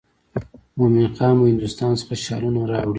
مومن خان به هندوستان څخه شالونه راوړي.